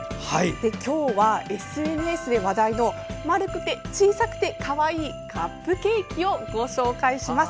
今日は、ＳＮＳで話題の丸くて小さくてかわいいカップケーキをご紹介します。